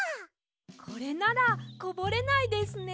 これならこぼれないですね！